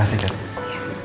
kalau gitu saya permisi ya pak